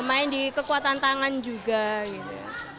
main di kekuatan tangan juga gitu